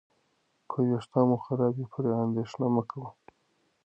که ویښتان مو خراب وي، پرې اندېښنه مه کوه.